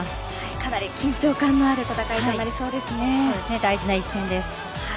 かなり緊張感のある戦いになりそうですね。